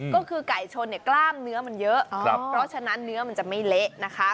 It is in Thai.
ก็คือไก่ชนเนี่ยกล้ามเนื้อมันเยอะเพราะฉะนั้นเนื้อมันจะไม่เละนะคะ